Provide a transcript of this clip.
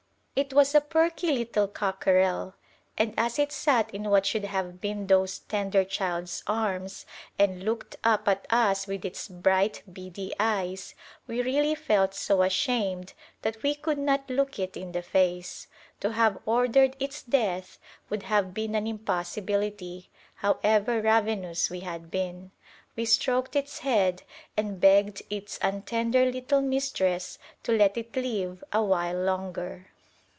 It was a perky little cockerel, and as it sat in what should have been those tender child's arms, and looked up at us with its bright beady eyes, we really felt so ashamed that we could not look it in the face. To have ordered its death would have been an impossibility, however ravenous we had been. We stroked its head and begged its untender little mistress to let it live a while longer.